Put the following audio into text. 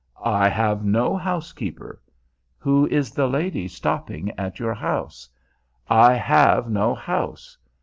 "I have no housekeeper." "Who is the lady stopping at your house?" "I have no house."